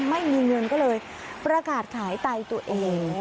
ไม่มีเงินก็เลยประกาศขายไตตัวเอง